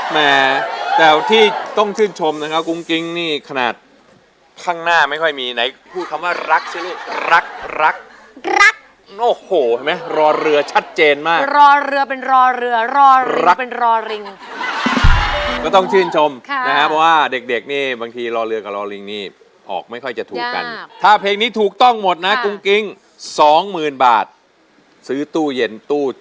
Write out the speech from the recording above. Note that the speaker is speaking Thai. แม่แต่ที่ต้องชื่นชมนะครับกุ้งกิ๊งนี่ขนาดข้างหน้าไม่ค่อยมีไหนพูดคำว่ารักสิลูกรักรักรักโอ้โหเห็นไหมรอเรือชัดเจนมากรอเรือเป็นรอเรือรอเรือเป็นรอริงก็ต้องชื่นชมค่ะนะฮะเพราะว่าเด็กเด็กนี่บางทีรอเรือกับรอลิงนี่ออกไม่ค่อยจะถูกกันถ้าเพลงนี้ถูกต้องหมดนะกุ้งกิ๊งสองหมื่นบาทซื้อตู้เย็นตู้